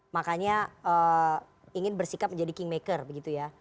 makanya ingin bersikap menjadi kingmaker begitu ya